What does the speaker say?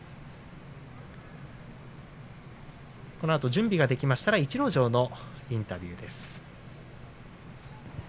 準備ができましたら逸ノ城のインタビューです。